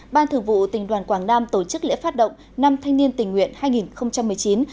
ban thường vụ tỉnh đoàn quảng nam tổ chức lễ phát động năm thanh niên tình nguyện hai nghìn một mươi chín